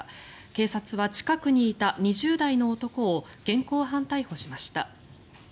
警察は、近くにいた２０代の男を現行犯逮捕しました。